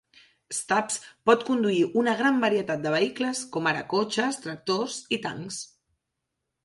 Stubbs pot conduir una gran varietat de vehicles, com ara cotxes, tractors i tancs.